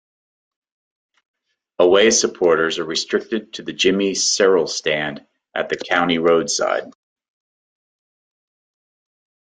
Away supporters are restricted to the Jimmy Sirrel stand, at the County Road side.